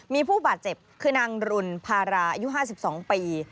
มีผู้บาดเจ็บคือนางรุนพาราอายุ๕๒ปี